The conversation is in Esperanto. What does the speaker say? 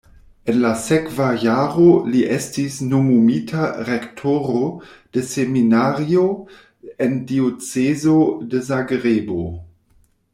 En la sekva jaro li estis nomumita rektoro de seminario en diocezo de Zagrebo.